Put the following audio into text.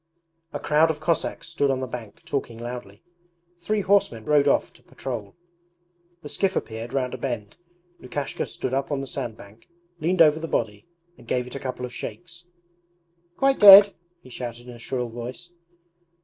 A crowd of Cossacks stood on the bank talking loudly. Three horsemen rode off to patrol. The skiff appeared round a bend. Lukashka stood up on the sandbank, leaned over the body, and gave it a couple of shakes. 'Quite dead!' he shouted in a shrill voice.